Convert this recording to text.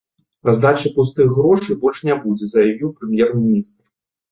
Раздачы пустых грошай больш не будзе, заявіў прэм'ер-міністр.